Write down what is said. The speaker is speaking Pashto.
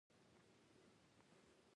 په کور کې ښه اخلاق د هر څه نه مهم دي.